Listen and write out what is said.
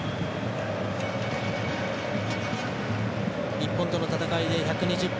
日本との戦いで１２０分